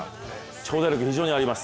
長打力、非常にあります。